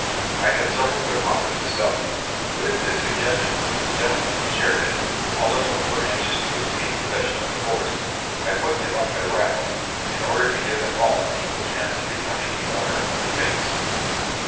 I had several good offers to sell him; but at the suggestion of some gentlemen in Sheridan, all of whom were anxious to obtain possession of the horse, I put him up at a raffle, in order to give them all an equal chance of becoming the owner of the famous steed.